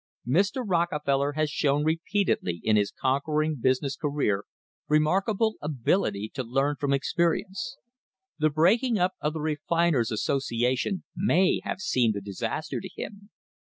Mr. Rockefeller has shown repeatedly in his conquering business career remarkable ability to learn from experience. The breaking up of the Refiners' Association may have seemed a disaster to him.